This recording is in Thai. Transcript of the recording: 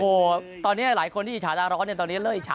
โอ้โหตอนนี้หลายคนที่อิจฉาดาร้อนเนี่ยตอนนี้เลิกอิจฉ